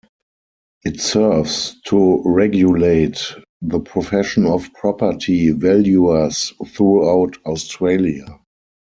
It serves to regulate the profession of property valuers throughout Australia.